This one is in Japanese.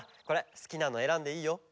これすきなのえらんでいいよ。